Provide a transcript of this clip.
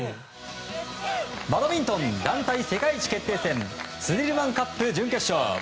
バドミントン団体世界一決定戦スディルマンカップ準決勝。